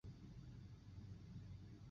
儿子朱健杙被册封为世孙。